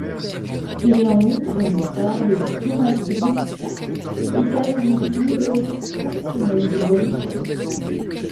Il est en outre le frère de Tomasz Drzyzga, également joueur professionnel de volley-ball.